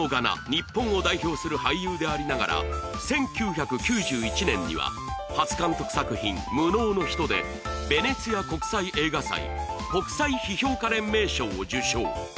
日本を代表する俳優でありながら１９９１年には初監督作品「無能の人」でヴェネツィア国際映画祭国際批評家連盟賞を受賞